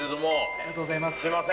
ありがとうございます。